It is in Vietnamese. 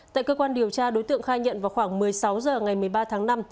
tại cơ quan điều tra đối tượng khai nhận vào khoảng một mươi sáu h ngày một mươi ba tháng năm